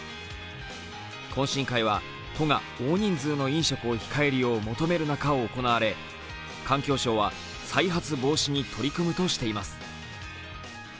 懇親会は都が大人数の飲食を控えるよう求める中、行われ環境省は再発防止に取り組むとしています。